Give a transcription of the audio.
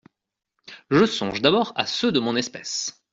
Je songe d’abord à ceux de mon espèce.